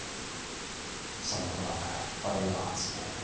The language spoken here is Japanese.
そんなことがあったらバレエ団はつぶれる。